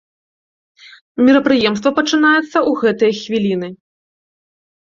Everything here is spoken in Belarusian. Мерапрыемства пачынаецца ў гэтыя хвіліны.